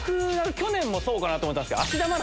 去年もそうかなと思ったけど。